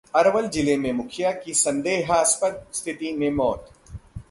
अरवल जिले में मुखिया की संदेहास्पद स्थिति में मौत